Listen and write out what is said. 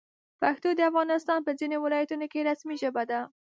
پښتو د افغانستان په ځینو ولایتونو کې رسمي ژبه ده.